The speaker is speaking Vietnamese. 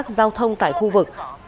giao thông tại khu vực